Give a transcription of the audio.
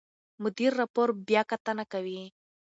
مدیر راپور بیاکتنه کوي.